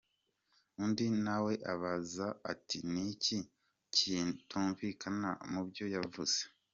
Undi nawe abaza ati: "Ni iki kitumvikana mubyo yavuze?".